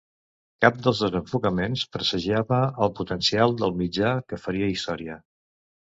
Cap dels dos enfocaments presagiava el potencial del mitjà, que faria història.